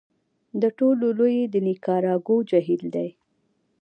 د ټولو لوی یې د نیکاراګو جهیل دی.